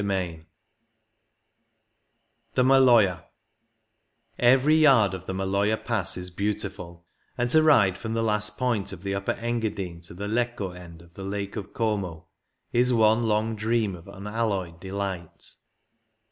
CHAPTER VII THE MALOJA Every yard of the Maloja Pass is beauti ful, and to ride from the last point of the Upper Engadine to the Lecco end of the Lake of Como is one long dream of un alloyed delight.